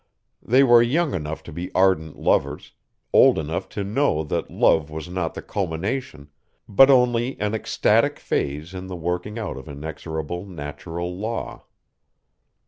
They were young enough to be ardent lovers, old enough to know that love was not the culmination, but only an ecstatic phase in the working out of an inexorable natural law.